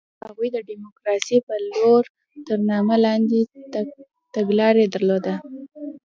هغوی د ډیموکراسۍ په لور تر نامه لاندې تګلاره درلوده.